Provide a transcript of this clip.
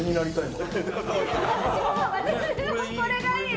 私もこれがいい！